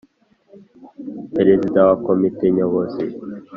Perezida wa Komite Nyobozi